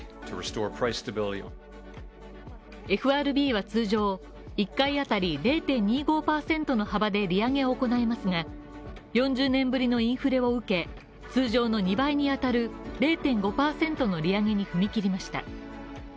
ＦＲＢは通常１回あたり０．２５％の幅で利上げを行いますが、４０年ぶりのインフレを受け、通常の２倍にあたる０．５％の利上げに踏み切りました。